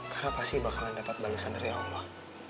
karena pasti bakalan dapat balesan dari allah